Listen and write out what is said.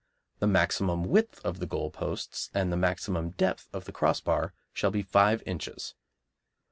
The maximum width of the goal posts and the maximum depth of the crossbar shall be five inches.